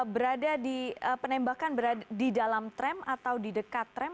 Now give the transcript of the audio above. berada di penembakan di dalam tram atau di dekat tram